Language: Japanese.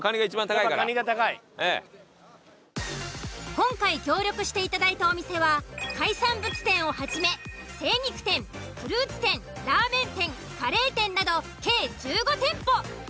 今回協力していただいたお店は海産物店をはじめ精肉店フルーツ店ラーメン店カレー店など計１５店舗。